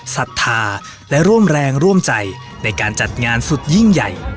ศรัทธาและร่วมแรงร่วมใจในการจัดงานสุดยิ่งใหญ่